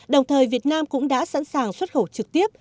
đồng thời việt nam cũng đã sẵn sàng xuất khẩu trực tiếp